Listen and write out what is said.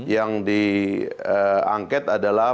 yang diangket adalah